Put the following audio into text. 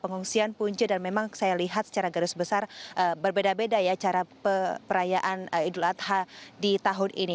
pengungsian punca dan memang saya lihat secara garis besar berbeda beda ya cara perayaan idul adha di tahun ini